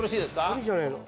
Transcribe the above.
あれじゃないの？